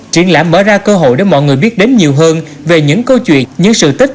triển lãm mở ra cơ hội để mọi người biết đến nhiều hơn về những câu chuyện những sự tích